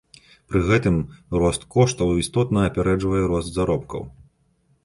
Пры гэтым рост коштаў істотна апярэджвае рост заробкаў.